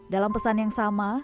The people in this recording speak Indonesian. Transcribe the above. dalam pesan yang sama